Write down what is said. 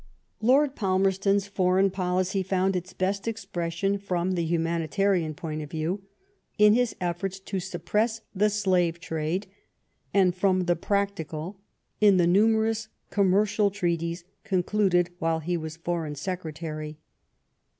Lord Palmerston's foreign policy found its best expression, from the humanitarian point of view, in his efforts to suppress the slave trade ; and from the prac tical, in the numerous commercial treaties concluded while he was Foreign Secretary.